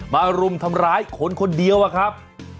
รุมทำร้ายคนคนเดียวอะครับ